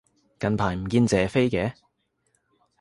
近排唔見謝飛嘅